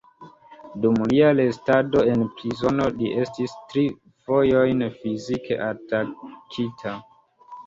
Dum lia restado en prizono li estis tri fojojn fizike atakita.